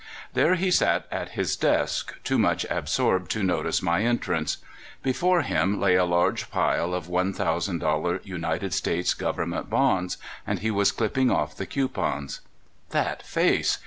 There he sat at his desk, too much absorbed to notice m}^ entrance. Before him lay a large pile of one thousand dollar United States Government bonds, and he was clipping off the coupons. That face